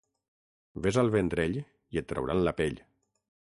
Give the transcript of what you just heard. Ves al Vendrell i et trauran la pell.